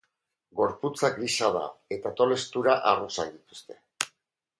Gorputza grisa da, eta tolestura arrosak dituzte.